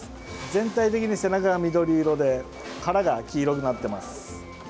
全体的に背中が緑色で腹が黄色になっています。